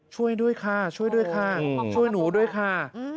ช่วยด้วยค่ะช่วยด้วยค่ะช่วยหนูด้วยค่ะ